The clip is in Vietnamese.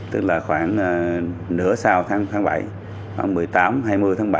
tức là khoảng nửa sáu tháng bảy khoảng một mươi tám hai mươi tháng bảy